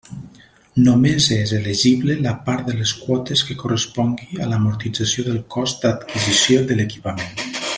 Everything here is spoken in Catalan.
Només és elegible la part de les quotes que correspongui a l'amortització del cost d'adquisició de l'equipament.